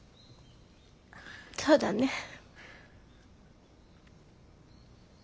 そうだね。